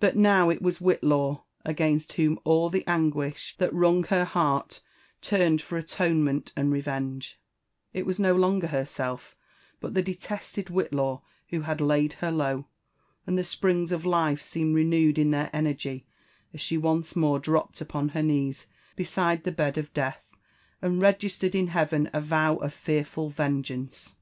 But now it was Whitlaw against whom all the anguish that wrung her heart turned for atonement and revenge : it was no longer herself, but the detested Whitlaw who had laid her low ; and the springs of life seemed renewed in their energy as she once more dropped upon her knees beside the bed of death, and registered in heaven a vow of fear ful vengeance.